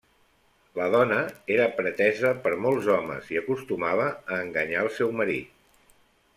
La dona era pretesa per molts homes i acostumava a enganyar al seu marit.